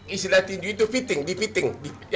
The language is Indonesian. istilah itu fitting dipiting